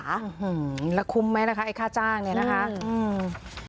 อืมแล้วคุ้มไหมนะคะไอ้ค่าจ้างเนี้ยนะคะอืม